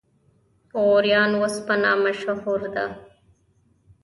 غوریان وسپنه مشهوره ده؟